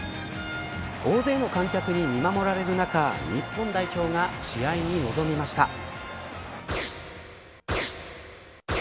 大勢の観客に見守られる中日本代表が試合に臨みました。